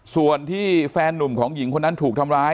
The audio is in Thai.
ส่วนที่แฟนนุ่มของหญิงคนนั้นถูกทำร้าย